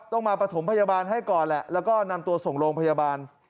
ต้องมาประถมพยาบาลให้ก่อนแหละแล้วก็นำตัวส่งโรงพยาบาล